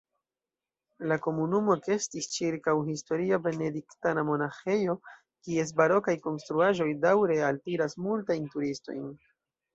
La komunumo ekestis ĉirkaŭ historia benediktana monaĥejo, kies barokaj konstruaĵoj daŭre altiras multajn turistojn.